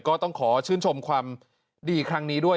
ก็ต้องขอชื่นชมความดีครั้งนี้ด้วย